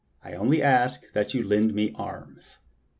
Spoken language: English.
I only ask that you lend me arms."